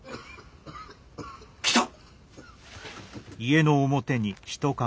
来た。